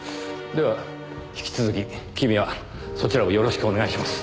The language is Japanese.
では引き続き君はそちらをよろしくお願いします。